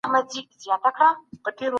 ليکوالۍ بايد د لوستلو ميل زيات کړي.